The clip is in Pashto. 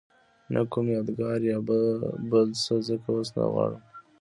نه کوم یادګار یا بل څه ځکه اوس نه غواړم.